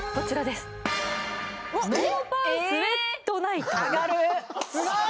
すごい！